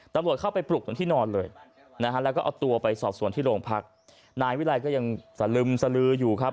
ตำรวจเข้าไปปลุกตรงที่นอนเลยนะฮะแล้วก็เอาตัวไปสอบส่วนที่โรงพักนายวิรัยก็ยังสลึมสลืออยู่ครับ